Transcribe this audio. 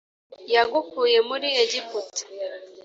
yagukuye muri Egiputa.